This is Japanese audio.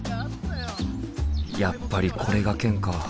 やっぱりこれがケンか。